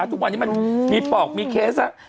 ทุกวันนี้มันมีปอกมีเคสแล้ว